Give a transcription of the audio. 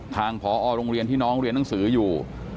ทางพอโรงเรียนที่น้องเรียนหนังสืออยู่